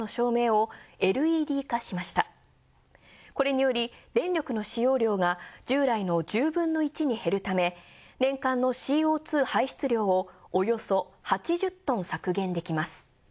これにより電力の使用量が従来の１０分の１に減るため年間のＣＯ２排出量をおよそ８０トン削減できます。